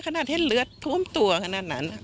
ขนาดที่เลือดท่วมตัวขนาดนั้น